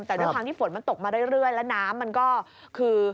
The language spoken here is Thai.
แต่ด้วยความที่ฝนมันตกมาเรื่อยแล้วน้ำมันก็คือ